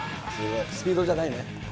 スピードじゃないね。